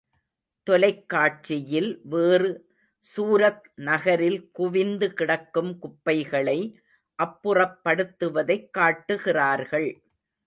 தொலைக்காட்சியில் வேறு சூரத் நகரில் குவிந்து கிடக்கும் குப்பைகளை அப்புறப் படுத்துவதைக் காட்டுகிறார்கள்.